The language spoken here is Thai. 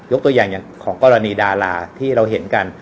ตัวอย่างอย่างของกรณีดาราที่เราเห็นกัน